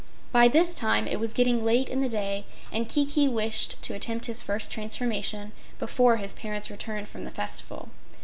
By this time it was getting late in the day and Kiki wished to attempt his first transformation before his parents returned from the festival.